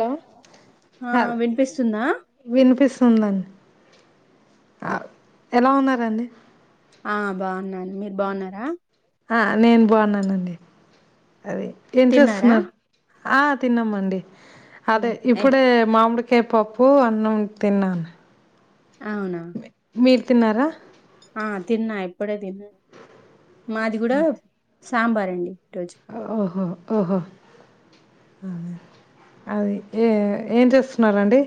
Hello ఆ హ వినిపిస్తుందా విన్పిస్ ఉందం ఆ ఎలా ఉన్నరండి ఆ బాగున్నాను మీరు బాగున్నారా ఆ నేను బాగున్నానండి అదే ఏం తిన్నారా చేస్తున్నారు ఆ తిన్నామండి అదే ఉమ్, ఏ ఇప్పుడే మామిడి కాయ్ పప్పు అన్నం తిన్నాను అవునా మీరు తిన్నారా ఆ తిన్నా ఇప్పుడే తిన్నా మాది కూడా సాంబార్ అండి ఈరోజు ఓహో ఓహో అదే అది ఏ ఏం చేస్తున్నారండి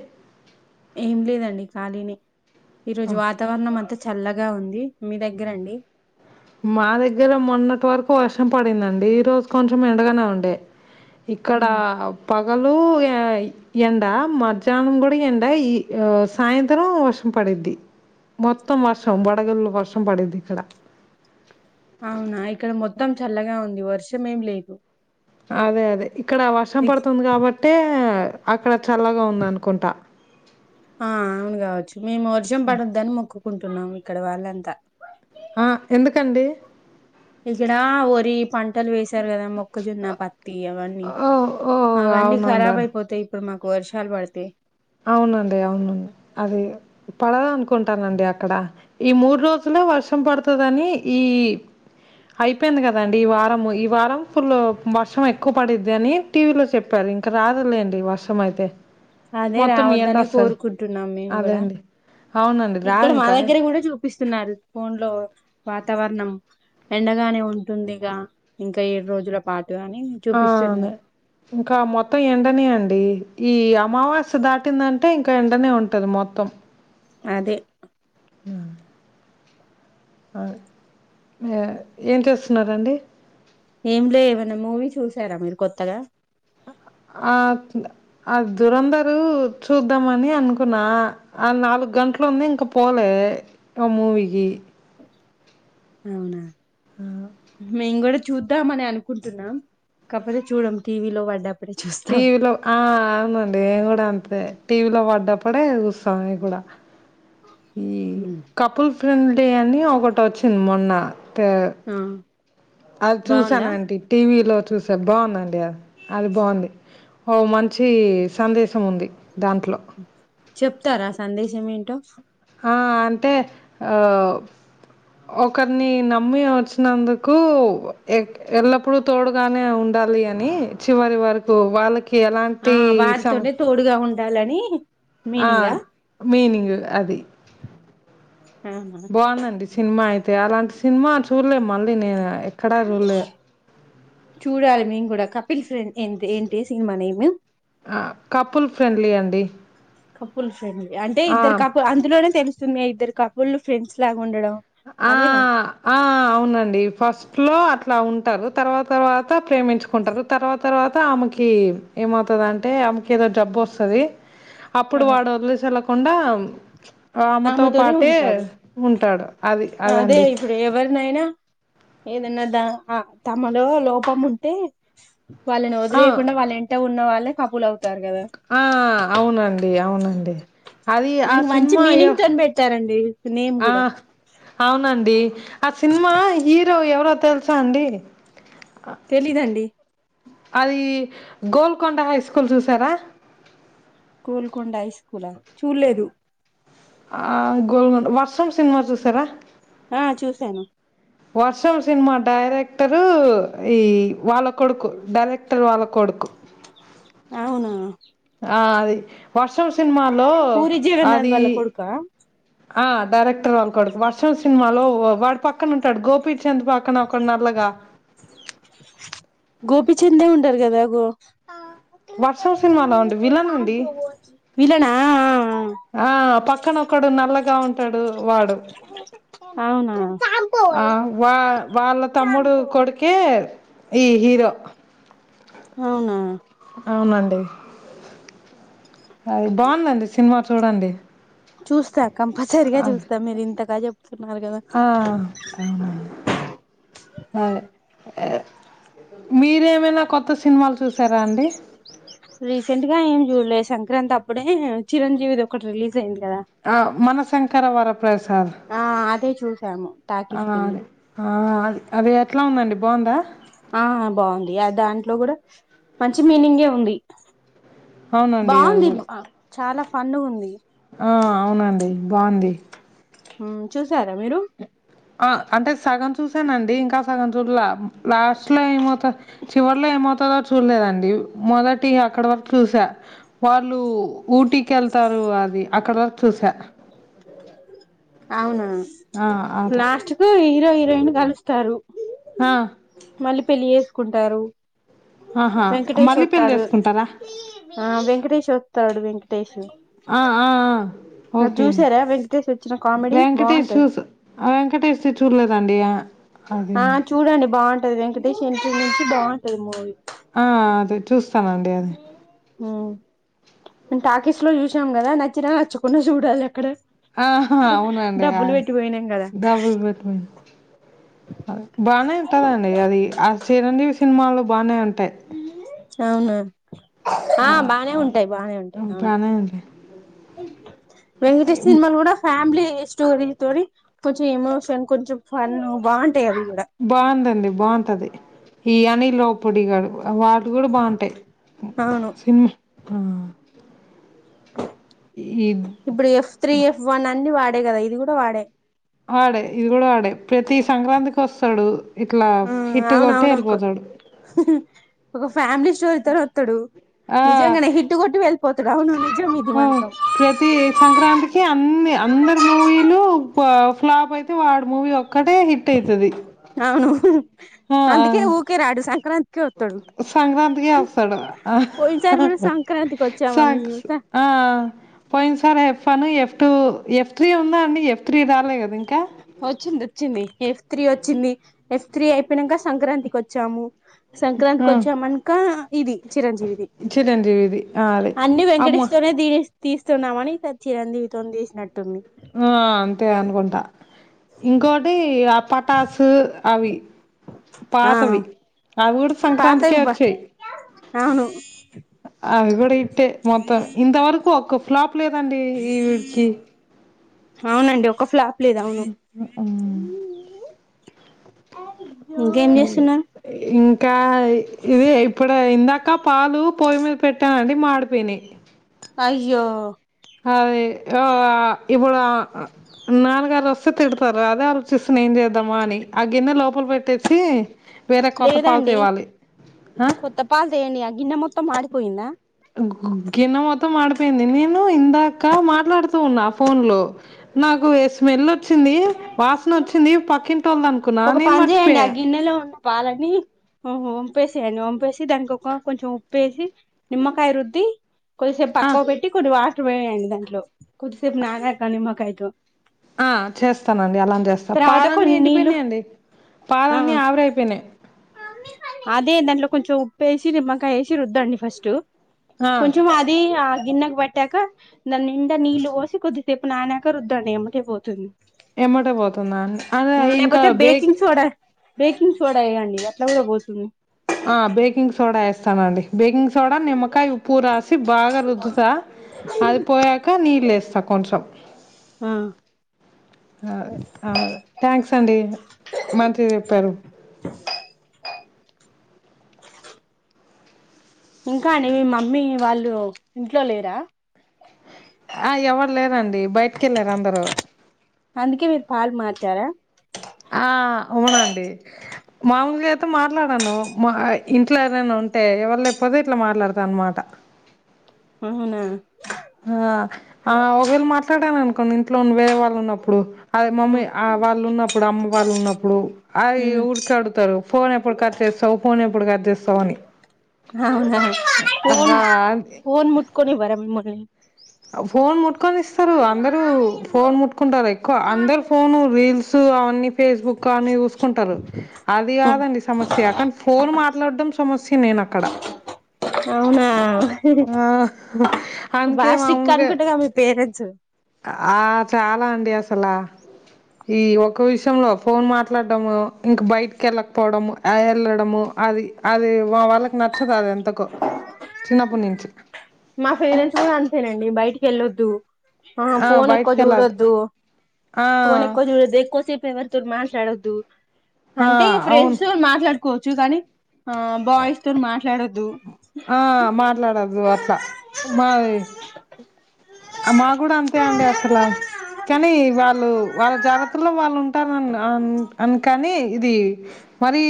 ఏం లేదండి ఖాళీనే ఓ ఈరోజు వాతవరణం అంతా చల్లగా ఉంది మీ దగ్గరండి మా దగ్గర మొన్నటి వరకు వర్షం పడిందండి ఈ రోజు కొంచెం ఎండగానే ఉండే ఇక్కడా ఉమ్, ప పగలు ఎండ మధ్యాహ్నం కూడ ఎండ ఈ సాయంత్రం వర్షం ప డిద్ది మొత్తం వర్షం వడగల్లు వర్షం పడిద్ది ఇక్కడ. అవునా ఇక్కడ మొత్తం చల్లగా ఉంది వర్షం ఏం లేదు. అదే అదే ఇక్కడ వర్షం ఇక్- పడుతుంది కాబట్టే అక్కడ చల్లగా ఉందనుకుంటా! ఆ అవును కావచ్చు మేము వర్షం పడొద్దని మొక్కుకుంటున్నాము ఇక్కడ వాళ్ళంతా. ఆ ఎందుకండి ఇక్కడా వరి పం టలు వేసారు కదా మొక్కజున్న పత్తి అవన్నీ, ఓ ఓ అవన్నీ కరాబ్ అవునవును అయిపోతయి ఇప్పుడు మా కు వర్షాలు పడితే అవునండి అవును. అది పడదనుకుంటానండి అక్కడ ఈ మూడు రోజులు వర్షం పడుతదని ఈ అయిపోయింది కదండి ఈ వారము ఈ వారం ఫుల్ వర్షం ఎక్కువ పడిద్ది అని టీవీ లో చెప్పా రు ఇంక రాదులేండి వర్షం అయితే. అదే మొత్తం రావద్దనే ఎండొస్తది. కోరుకుంటున్నాం మేము అదే గూడ అండి. అవునండి. ఇక్కడ మా రాదింకా. దగ్గర కూడ చూ పిస్తున్నారు ఫోన్ లో వాతావరణం. ఎండగానే ఉంటుందిగా ఇంకా ఏడు రోజుల పా ఆఁ ఇంకా మొత్తం ఎండనే అండి. ఈ అమావాస్య దాటిందంటే ఇంకా ఎండనే ఉంటది మొత్తం. అదే మ్ అ ఎ ఏం చేస్తున్నండి? ఏం లే ఏమన్న మూవీ చూశారా మీరు కొత్తగా? అ దురంధరూ చూద్దామని అనుకున్నా ఆ నాలుగు గంటలు ఉంది ఇంకా పోలే. ఆ మూవికీ అవునా మేం గూడ చూద్దామని అనుకుంటున్నా కాకపోతే చూడం టీవీలో పడ్డ టీవీలో ఆ అవునండి ఏం కూడ అంతే! టీవీ లో పడ్డప్పుడే చూస్త నే గూడ ఈ కపుల్ ఫ్రెండ్ డే అని ఒకటి వొచ్చింది మొన్న టా ఆ అది బాగుందా చూశానంటి టీవీలో చూశ బాగుందండి అది బాగుంది. ఓ మంచి సందేశం ఉంది. దాంట్లో చెప్తారా సందేశం ఏంటో? ఆ అంటే ఆ ఒకరిని నమ్మి వచ్చినందుకు ఎ ఎల్లప్పుడూ తోడుగానే ఉండ చాలి అని చివరి వరకు వాళ్ళకి ఎలాంటి స డాలని ఆ మీనింగ్ అది ఆహా బాగుందండి సినిమా అయితే అలాంటి సినిమా చూడలేము మళ్ళీ నేను ఎక్కడా చూడలే. చూడాలి మేము గూడా కపిల్ ఫ్రెం ఏంద్ ఏం టే సినిమా నేము కపుల్ ఫ్రెండ్లీ అండి. కపుల్ ఫ్రెండ్లీ అంటే ఇద్దరు ఆ! కపు అందులోనే తెలుస్తుంది ఇద్దరు కపుల్ ఫ్రెండ్స్ లా ఆ ఆ అవునండి ఫస్ట్ లో అట్లా ఉంటారు తర్వాత తర్వాత ప్రేమించుకుంటరు, తర్వాత తర్వాత ఆమెకి ఏమవుతదంటే మ్ కేదో జబ్బు వస్తది అప్పుడు వాడు వదిలేసి ఎళ్ళకుండా ఆమెతో ఆమెతోనే పాటే ఉంటాడు ఉంటాడు. అది అదే అదండి ఇప్పుడు ఎవరినైనా ఏదన్నా ద తమలో లోపం ఉంటే. వాళ్ళని ఆ వదిలేయకుండా వాళ్ళ వెంట ఉన్న వాళ్ళే కపుల్ అవుతా ఆ అవునండి అవునండి అది ఆ దీనికి మంచి సినిమా అయ్యో మీనింగ్ తోని పెట్టారండి నేమ్ ఆ కూడా అవునండి ఆ సినిమా హీరో ఎవరో తెలుసా అండి తెలియదండి అది గోల్కొండ హై స్కూల్ చూసారా కోల్కొండ హై స్కూల్ చూడలేదు ఆ గోల్ వర్షం సినిమా చూసారా ఆ చూసాను వర్షం సినిమా డైరెక్టరు ఈ వాళ్ళ కొడుకు డైరెక్టర్ వాళ్ళ కొడుకు [inaudible] అవునా ఆ అది వర్షం సినిమాలో పూరి జగన్నాథ్ అది వాళ్ళ కొడుకా ఆ డైరెక్టర్ వాళ్ళు కొడుకు వర్షం సినిమాలో వాడు పక్కన ఉంటాడు గోపీచంద్ పక్కన ఒక గోపీచంద్ ఉంటారు కదా గో వర్షం సినిమాలో ఉండి విలన్ అండి విలన్ నా ఆ ఆ ఆ పక్కన ఒకడు నల్లగా ఉంటాడు వాడు ఆ ఆ వా వాళ్ళ తమ్ముడు కొడుకే ఈ హీరో అవునా అవునండి అది బాగుందండి సినిమా చూడండి చూస్తా కంపల్సరిగా చూస్తా మీరు ఇంతగా చె ఆ అవును అండి అదే మీరేమైనా కొత్త సినిమాలు చూసారా అండి రీసెంట్ గా ఏం చూడలే సంక్రాంతి అప్పుడే చిరంజీవిది ఒకటి రిలీజ్ అయింది కదా ఆ మనశంకర వర ప్రసాద్ ఆ అదే చూసాము ఆ టాకీస్ కెళ్ళి అదే ఆ అది ఎట్లా ఉందండి బాగుందా ఆ బాగుంది అ దాంట్లో కూడా మంచి మీనింగే ఉంది అవునండి అది బాగుంది కూడా చాలా ఫన్ గా ఉంది ఆ అవునండి బాగుంది చూసారా మీరు ఆ అంటే సగం చూసానండి ఇంకా సగం చూడాల లాస్ట్ లో ఏమవుతదో చివర్లో ఏమౌతాదో చూడలేదండి మొదటి అక్కడ వరకు చూసా వాళ్ళు ఊటీ కెళ్తారు అది అక్కడ వరకు చూసా అవునా ఆ అదే లాస్ట్ కు హీరో హీరోయిన్ కలుస్తారు హ మళ్ళీ పెళ్లి చేస్కుంటారు. ఆహా మళ్లి పెళ్ళి చేసుకుంటారా ఆ వెంకటేష్ వస్తాడు వెంకటేష్ ఆ ఆ ఆ అది ఓకే చూసారా వెంకటేష్ వచ్చిన కామెడీ వెేంకటేష్ సు బాగుంటది వెంకటేష్ చూడలే దా అండి ఆ ఆ చూడండి బాగుంటది వెంకటేష్ ఎంట్రీ నుంచి బాగుంటది మూవీ ఆ అదే చూస్తానండి అది టాకీస్ లో చూసాం కదా నచ్చిన నచ్చకుండా చూడాలి అక్కడ ఆ అవునండి ఆ డబ్బులు పెట్టిపోయినాం కదా డబుల్ బెడ్రూమ్ బానే ఉంటాదండి అది ఆ చిరంజీవి సినిమాల్లో బానే ఉంటాయి అవునా ఆ బానే అది ఉంటాయి బానే ఉంటాయి హ్మ్. అవును బానే ఉంటాయి. వెంకటేష్ సినిమాలు కూడా ఫ్యామిలీ స్టోరీ తోని కొంచెం ఎమోషన్ కొంచెం ఫన్ బాగుంటది బాగుందండి బాగుంటది ఈ అనిల్ రావ్పూడి గారు వాటర్ కూడా బాగుంటాయి అవును సిన్మా ఈ ఇప్పుడు ఎఫ్ త్రీ ఎఫ్ వన్ అన్ని వాడే కదా ఇది కుడ వాడే వాడే ఇది గుడ వాడే ప్రతి సంక్రాంతికి వస్తడు. ఇలా హిట్ కొట్టి అవునవును ఎళ్ళిపోతడు. ఒక ఫ్యామిలీ స్టోరీ తోని వత్తడు ఆ నిజంగనే హిట్ కొట్టి వెళ్ళిపోతడు అవును నిజం ఇది ఆ మాత్రం ప్రతి సంక్రాంతికి అన్నీ అందర్ మూవీలు ఫ్లాప్ అయితే వాడు మూవీ ఒ క్కటే హిట్ అయితది అవును ఆ ఆ అందుకే ఊకే రాడు సంక్రాంతికే వత్తడు సంక్రాంతికే అస్తడు ఆ పోయినసారి కూడా సంక్రాంతికి వచ్చామని సం చూసా ఆ పోయిన్ సారే F one F two F three ఉందా అండి ఎఫ్ త్రీ రాలే కదా ఇం ఒచ్చింది ఒచ్చింది. ఎఫ్ త్రీ వచ్చింది. ఎఫ్ త్రీ అయిపోయినంక సంక్రాంతిక్ వచ్చాము ఆ, సంక్రాంతికి ఒచ్చాం అన్కా ఇది చిరంజీవిది. చిరంజీవిది ఆ, అదే అన్ని వెంకటేష్ అమ్మ తోనే దీని తీస్తున్నామని ఈ సారి చిరంజీవితోన్ తీసినట్టుంది. ఆ అంతే అనుకుంటా ఇంకోటి ఆ పటాస్ అవి ఆ పాతవి అవి గుడ సంక్రాంతికే పాతవి బా వచ్చాయ్ అవును అవి గుడా హిట్టే మొత్తం ఇంత వరకు ఒక్క ఫ్లాప్ లేదండి ఈ వీడ్కి అవునండి. ఒక ఫ్లాప్ లేదు అవును [inaudible] ఇంకేం అయ్యో చేస్తున్నారు ఇంకా ఇదే ఇప్పుడ్ ఇందా కా పాలు పొయ్యి మీద్ పెట్టానండి మాడిపోయినయ్ అయ్యో! అదే ఆ ఇప్పుడా నాన్నగార్ వస్ స్తే తిడ్తార్ అదే ఆలోచిస్తున్న ఏం చేద్దాం అని ఆ గిన్న లోపల పెట్టేసి వేరే కొత్త పాలు లేదండి తేవాలి ఆ? కొత్త పాల్ తేయండి ఆ గిన్నె మొత్తం మాడిపోయిందా. గిన్న మొత్తం మాడిపోయింది. నేను ఇందాక మాట్లాడ్తూ ఉన్నా ఫోన్లో నాకు ఎ స్మెల్లొచ్చింది. వాసన్ వచ్చింది పక్కింటోల్ద్ అనుకున్నా ఒక నేన్ పని చేయండి ఆ మర్చిపోయా గిన్నెలో ఉన్న పాలని వంపేసేయన్ వంపేసి దానికొక కొంచెం ఉప్పేసి నిమ్మకాయ రుద్ది కొద్దిసేప్ ఆ పక్కకు పెట్టి కొన్ని వా [inaudible] అండి దాంట్లో కొద్దిసేపు నానాక నిమ్మకాయతో ఆ చేస్ చేస్తానండి అలా చేస్తా తర్వాత పాలన్నీ కొన్ని నీళ్ళు ఎండిపోయినయండి ఆ పాలన్నీ ఆవిరైపోయినయి. అదే దాంట్లో కొంచెం ఉప్పేసి నిమ్మకాయ ఏసి రుద్దండి ఫస్ట్ ఆ కొంచం అది గిన్నెకు పట్టాక దాన్ నిండా నీళ్ళు పోసి కొద్దిసేపు నానాక రుద్దండి ఎమ్మటే పోతుం ఎమ్మటే పోతుందా అండి అదే ఇంకా లేక్పోతే bake baking soda baking soda ఏయండి అట్ల కూడా పోతుంది. ఆ బేకింగ్ సోడా ఏ. బేకింగ్ సోడా, నిమ్మకాయ్, ఉప్పు రాసి బాగా రుద్దుతా అది పోయాక నీళ్ళేస్తా కొంచం ఆ అ ఆ థ్యాంక్స్ అండి మంచిగ చెప్పారు. ఇంకా అండి మీ మమ్మీ వాళ్ళు ఇంట్లో లేరా ఆ ఎవర్ లేరండి బయటికెళ్ళార్ అందరూ అందుకే మీర్ పాల్ మార్చారా ఆ అవునండి మామూలుగా అయితే మాట్లాడను మా ఇంట్లో ఎరైనా అంటే ఎవరు లేకపోతే ఇట్లా మాట్లాడతా అన్నమాట అవునా ఆ ఒకవేల మాట్లాడను కొన్ని ఇంట్లో వేరే వాళ్ళు ఉన్నప్పుడు అదే మమ్మీ ఉమ్ ఆ వాళ్ళు ఉన్నప్పుడు అమ్మ వాళ్ళు ఉన్నప్పుడు అవి ఉమ్ ఊరికే అడుగుతారు ఫోన్ ఎప్పుడు కట్ చేస్తావు ఫోన్ ఎప్పుడు కట్ చేస్తావు అని అవునా ఫోన్ అహా! ఫోన్ ముట్కోనివ్వర మీమల్ని ఫోన్ ముట్కొని ఇస్తారు అందరు ఫోన్ ముట్టుకుంటారు ఎక్కువ అందరు ఫోను రీల్స్ అ ఫేస్బుక్ అని చూసుకుంటారు అది కాదండి సమస్య కానీ ఫోన్ మాట్లాడం సమస్య నేను అక్కడ అవునా బ కే మాములుగే ఆ చాలా అండి అస్ అసలా ఈ ఒక్క విష లో ఫోన్ మాట్లాడము ఇంక బయటకి వెళ్ళకపోవడము వెళ్ళడము అది అది వా వాళ్ళకి నచ్చదు అది ఎంతకో చిన్నప్పటి నుంచి మా పేరెంట్స్ కూడా అంతేనండి బయటికి వెళ్ళొద్దు ఆ ఫోన్ ఎక్కువ బయటికి వెళ్ళదు జుడోదు ఆ ఫోన్ ఎక్కువ జుడదు ఎక్కువ సిప్ ఎవరితోరు మాట్లాడద్దు ఆ అంటే అవును ఫ్రెండ్స్ మాట్లాడు కోవచ్చు కానీ ఆ బాయ్స్ తోని మాట్లాడొద్దు ఆ మాట్లాడద్దు అట్లా మాది ఆ మా కూడా అంతే అండి అసల కానీ వాళ్ళు వాళ్ళ జాగ్రత్తలో వాళ్ళు ఉంటారుని అను కాని ఇది మరి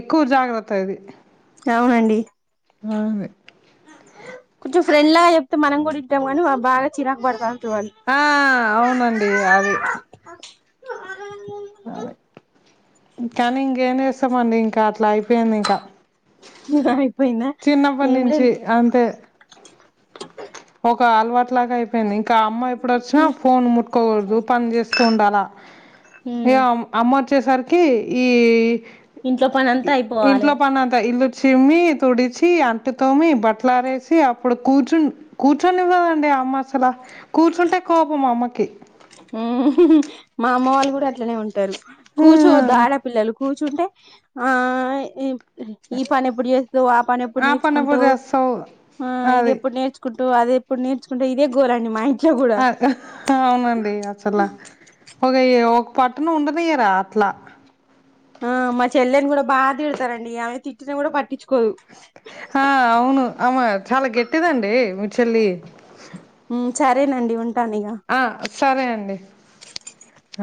ఎక్కువ జాగ్రత్త ఇది అవునండి మాదే కొంచెం ఫ్రెండ్ లాగా చెప్తే మనం కూడా ఇంటాం కానీ బాగా చిరాకు పడతం ఆ అవునండి అది అ అదే కానీ ఇంకేం చేస్తామండి ఇంకా అట్లా అయిపోయింది ఇంకా అయిపోయిందా చిన్నప్పటి ఏం నుంచి లేదు అంతే ఒక అలవాటులాగా అయిపోయింది ఇంకా అమ్మ ఎప్పుడు వచ్చినా ఫోన్ ముట్కోకూడదు పని చేస్తూ ఉండాల ఇక ఉమ్ అమ్మొచ్చే సరికి ఈ ఇంట్లో పని అంతా అయిపోవాలే ఇంట్లో పనంత ఇల్లు చిమ్మి తుడిచి అంటుతోమి బట్టలారేసి అప్పుడు కూర్చుని కూర్చునివ్వదండి అమ్మ అసల కూర్చుంటే కోపం అమ్మకి మా అమ్మ వాళ్ళు కూడా అట్లనే ఉంటారు ఆ కూచో వద్దు ఆడపిల్లలు కూర్చుంటే ఆ ఈ పని ఎప్పుడు చేస్తావు ఆ పని ఎప్పుడు పని ఎప్పుడు నేర్చుకుంటావు చేస్తావు ఆ ఇది అది ఎప్పుడు నేర్చుకుంటు అద ఎప్పుడు నేర్చుకుంట ఇదే గోల్ అండి మా ఇంటి అవునండి అసలా ఒక ఒక పట్ను ఉండదియరా అట్లా ఆ మా చెల్లెని కూడా బా తిడతారండి ఆమె తిట్టిని కూడా పట్టిచు ఆ అవును అమ్మ చాలా గట్టిదండి మీ చెల్లి మ్ సరేనండి ఉంటాను ఇగ ఆ సరే అండి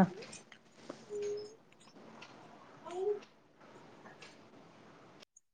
ఆ అ